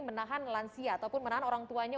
menahan lansia ataupun menahan orang tuanya